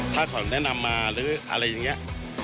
ถ้าเขาแนะนำมาหรืออะไรอย่างนี้